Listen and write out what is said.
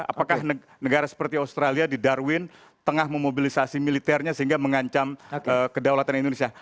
apakah negara seperti australia di darwin tengah memobilisasi militernya sehingga mengancam kedaulatan indonesia